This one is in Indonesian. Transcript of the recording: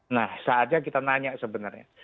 nah saatnya kita nanya sebenarnya